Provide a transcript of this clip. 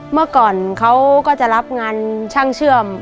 เมื่อก่อนเขาก็จะรับงานช่างเชื่อม